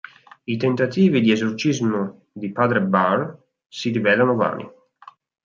I tentativi di esorcismo di padre Barre si rivelano vani.